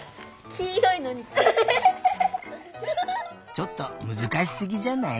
ちょっとむずかしすぎじゃない？